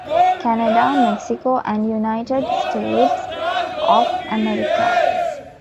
Canada, Mexico, and United States of America.